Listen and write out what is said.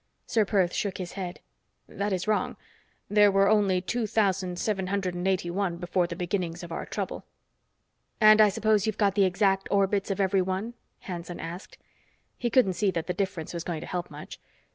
Ser Perth shook his head. "That is wrong. There were only two thousand seven hundred and eighty one before the beginnings of our trouble." "And I suppose you've got the exact orbits of every one?" Hanson asked. He couldn't see that the difference was going to help much.